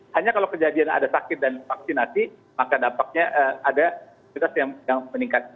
hanya kalau kejadian ada sakit dan vaksinasi maka dampaknya ada yang meningkat